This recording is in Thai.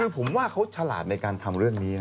คือผมว่าเขาฉลาดในการทำเรื่องนี้นะ